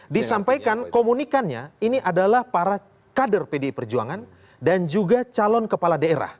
disampaikan komunikannya ini adalah para kader pdi perjuangan dan juga calon kepala daerah